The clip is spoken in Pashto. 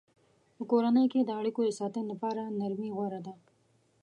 په کورنۍ کې د اړیکو د ساتنې لپاره نرمي غوره ده.